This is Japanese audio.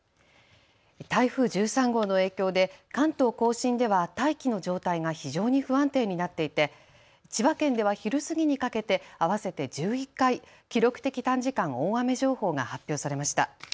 台風１３号の影響で関東甲信では大気の状態が非常に不安定になっていて千葉県では昼過ぎにかけて合わせて１１回記録的短時間大雨情報が発表されました。